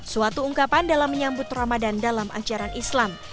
suatu ungkapan dalam menyambut ramadan dalam ajaran islam